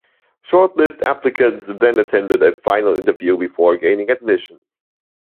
Shortlisted applicants then attend a final interview before gaining admission.